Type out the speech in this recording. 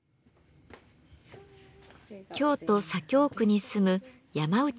京都・左京区に住む山内早苗さん。